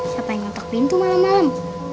siapa yang ngotok pintu malam malam